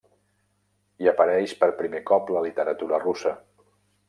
Hi apareix per primer cop la literatura russa.